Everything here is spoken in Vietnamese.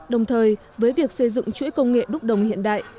đồng thời với việc xây dựng chuỗi công nghệ đúc đồng hiện đại